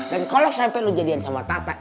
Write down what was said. dan kalau sampe lo jadian sama tata